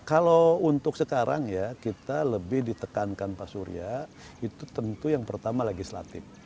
kalau untuk sekarang ya kita lebih ditekankan pak surya itu tentu yang pertama legislatif